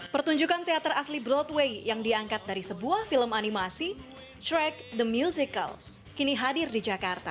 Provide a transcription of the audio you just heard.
pertunjukan teater asli broadway yang diangkat dari sebuah film animasi track the musical kini hadir di jakarta